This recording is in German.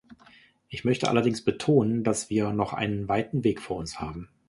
Ich möchte allerdings betonen, dass wir noch einen weiten Weg vor uns haben.